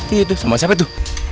iya itu sama siapa tuh